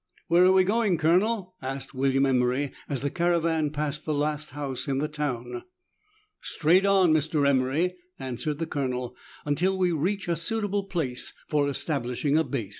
"Where are we going. Colonel ?" asked William Emery, as the caravan passed the last house in the town. Straight on, Mr. Emery," answered the Colonel, " until we reach a suitable place for establishing a base."